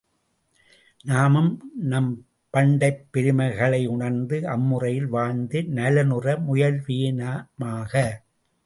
நாமும் நம் பண்டைப் பெருமைகளையுணர்ந்து அம்முறையில் வாழ்ந்து நலனுற முயல்வேனமாக.